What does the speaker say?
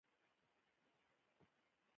ګرشک پرمختللې ولسوالۍ ده.